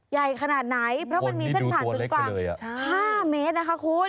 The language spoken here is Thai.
ใหญ่ขนาดไหนเพราะมันมีเส้นผ่านสูงกว่า๕เมตรนะคะคุณ